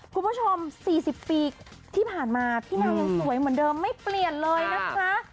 คุณผู้ชม๔๐ปีที่ผ่านมาพี่นางยังสวยเหมือนเดิมไม่เปลี่ยนเลยนะคะ